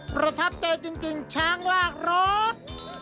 ประทับใจจริงช้างลากรถ